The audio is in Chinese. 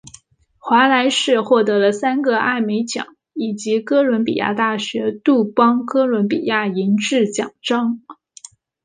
华莱士获得了三个艾美奖以及哥伦比亚大学杜邦哥伦比亚银质奖章。